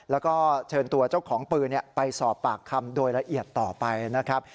แล้วก็เชิญตัวเจ้าของปืนไปสอบปากคำโดยละเอียดต่อไปนะครับ